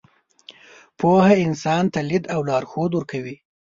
پوهه انسان ته لید او لارښود ورکوي.